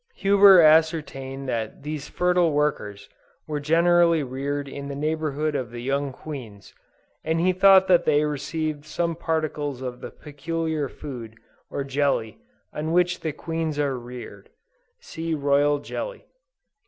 Huber ascertained that these fertile workers were generally reared in the neighborhood of the young Queens, and he thought that they received some particles of the peculiar food or jelly on which the Queens are reared. (See Royal Jelly.)